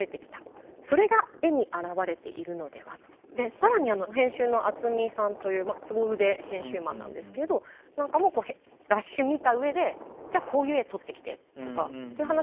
更に編集の熱海さんというすご腕編集マンなんですけれどラッシュ見た上でじゃあこういう絵撮ってきてとかって話もするそうです。